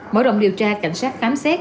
mở rộng điều tra cảnh sát khám xét